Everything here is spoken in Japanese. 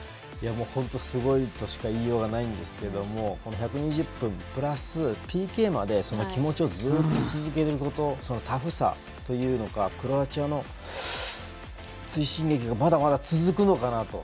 本当にすごいとしか言いようがないんですけどこの１２０分プラスＰＫまでその気持ちをずっと続けることそのタフさというかクロアチアの追進撃がまだまだ続くのかなと。